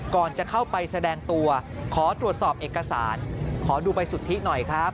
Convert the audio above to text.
ก่อนจะเข้าไปแสดงตัวขอตรวจสอบเอกสารขอดูใบสุทธิหน่อยครับ